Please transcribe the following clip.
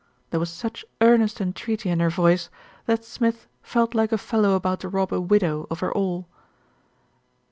There was such earnest entreaty in her voice, that Smith felt like a fellow about to rob a widow of her all.